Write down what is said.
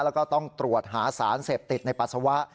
แล้วก็ต้องตรวจหาสารเสพติดในปัสสาวะ